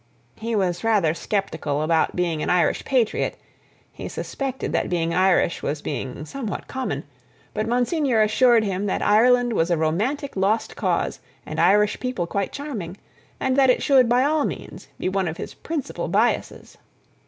He was rather sceptical about being an Irish patriot—he suspected that being Irish was being somewhat common—but Monsignor assured him that Ireland was a romantic lost cause and Irish people quite charming, and that it should, by all means, be one of his principal biasses.